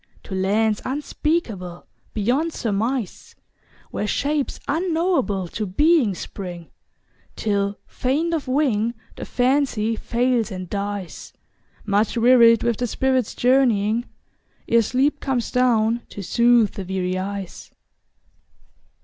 To lands unspeakable beyond surmise, Where shapes unknowable to being spring, Till, faint of wing, the Fancy fails and dies Much wearied with the spirit's journeying, Ere sleep comes down to soothe the weary eyes.